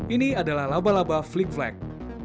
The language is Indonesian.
ini adalah laba laba flick flack